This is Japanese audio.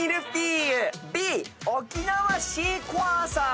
Ｂ沖縄シークワーサー。